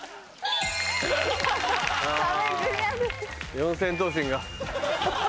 四千頭身が。